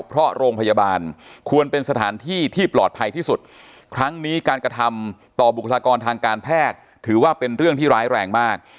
เพราะโรงพยาบาลควรเป็นสถานที่ที่ปลอดภัยที่สุดครั้งนี้การกระทำต่อบุคลากรทางการแพทย์ถือว่าเป็นเรื่องที่ร้ายแรงมาก